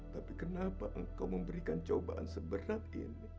tapi kenapa engkau memberikan cobaan seberat ini